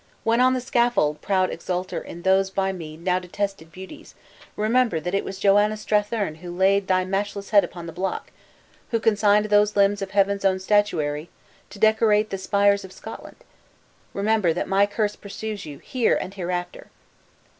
When on the scaffold, proud exulter in those by me now detested beauties, remember that it was Joanna Strathearn who laid thy matchless head upon the block; who consigned those limbs, of Heaven's own statuary, to decorate the spires of Scotland! Remember that my curse pursues you, here and hereafter!"